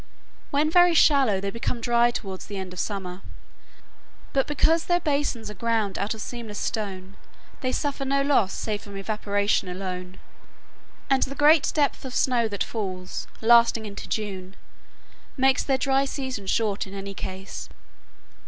When very shallow they become dry toward the end of summer; but because their basins are ground out of seamless stone they suffer no loss save from evaporation alone; and the great depth of snow that falls, lasting into June, makes their dry season short in any case.